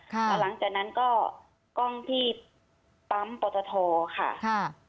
แล้วหลังจากนั้นก็กล้องที่ปั๊มปตทค่ะ